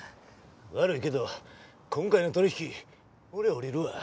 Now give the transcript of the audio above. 悪いけど今回の取引俺降りるわ。